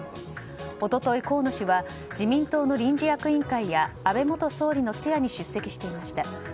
一昨日、河野氏は自民党の臨時役員会や安倍元総理の通夜に出席していました。